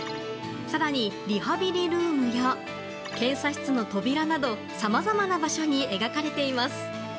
更に、リハビリルームや検査室の扉などさまざまな場所に描かれています。